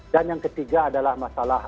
dan yang ketiga adalah masalah